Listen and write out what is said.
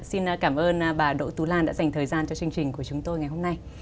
xin cảm ơn bà đỗ tú lan đã dành thời gian cho chương trình của chúng tôi ngày hôm nay